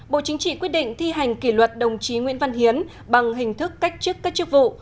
bộ chính trị quyết định thi hành kỷ luật đồng chí nguyễn văn hiến bằng hình thức cách chức các chức vụ